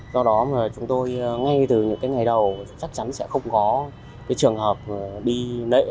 do đó chúng tôi ngay từ những ngày đầu chắc chắn sẽ không có trường hợp đi lễ